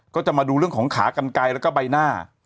ก็จะมาดูเรื่องของขากันไกลแล้วก็ใบหน้า